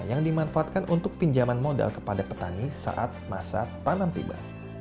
yang dimanfaatkan untuk pinjaman modal kepada petani saat masa tanam tiba